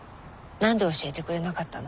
何で教えてくれなかったの。